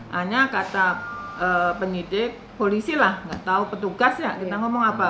hanya kata penyidik polisi lah nggak tahu petugas ya kita ngomong apa